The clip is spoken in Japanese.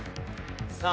さあ